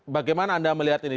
bagaimana anda melihat ini